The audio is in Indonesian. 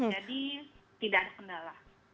jadi tidak ada kendala